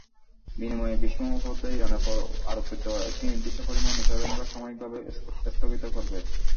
বিনিময়ে বিশ্বসম্প্রদায় ইরানের ওপর আরোপিত একটি নির্দিষ্ট পরিমাণ নিষেধাজ্ঞা সাময়িকভাবে স্থগিত করবে।